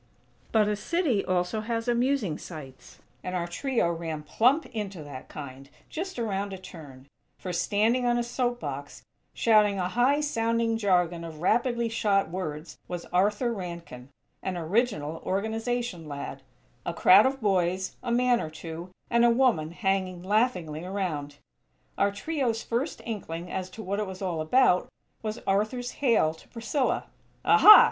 _"But a city also has amusing sights; and our trio ran plump into that kind, just around a turn; for, standing on a soap box, shouting a high sounding jargon of rapidly shot words, was Arthur Rankin, an original Organization lad; a crowd of boys, a man or two, and a woman hanging laughingly around. Our trio's first inkling as to what it was all about was Arthur's hail to Priscilla: "Aha!